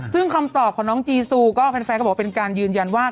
ซึ่งคำตอบของน้องจีซูก็แฟนก็บอกว่าเป็นการยืนยันว่า